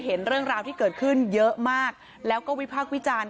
เห็นเรื่องราวที่เกิดขึ้นเยอะมากแล้วก็วิพากษ์วิจารณ์